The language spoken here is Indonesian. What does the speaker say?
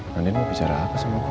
nan nin mau bicara apa sama gue